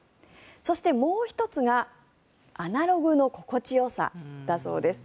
そして、もう１つがアナログの心地よさだそうです。